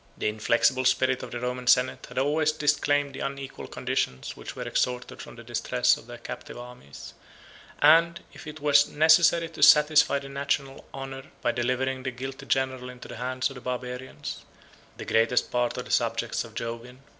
The inflexible spirit of the Roman senate had always disclaimed the unequal conditions which were extorted from the distress of their captive armies; and, if it were necessary to satisfy the national honor, by delivering the guilty general into the hands of the Barbarians, the greatest part of the subjects of Jovian would have cheerfully acquiesced in the precedent of ancient times.